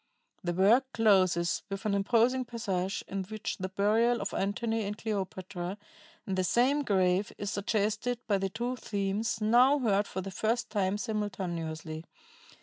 "The work closes with an imposing passage in which the burial of Antony and Cleopatra in the same grave is suggested by the two themes now heard for the first time simultaneously.